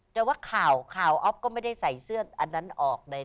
แต่ว่าข่าวข่าวอ๊อฟก็ไม่ได้ใส่เสื้ออันนั้นออกใด